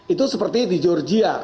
itu seperti di georgia